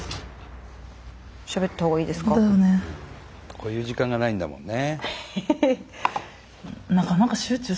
こういう時間がないんだもんね。